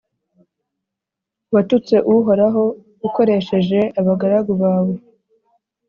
Watutse Uhoraho ukoresheje abagaragu bawe,